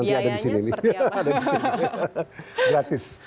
biayanya seperti apa